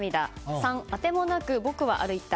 ３、あてもなく僕は歩いた。